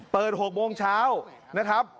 ๖โมงเช้านะครับ